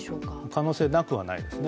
可能性なくはないですね